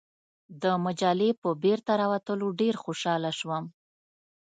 د مجلې په بیرته راوتلو ډېر خوشاله شوم.